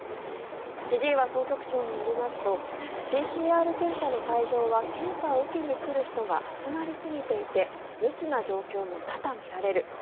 千々岩総局長によりますとＰＣＲ検査の会場は検査を受けに来る人が集まりすぎていて密な状況も多々見られる。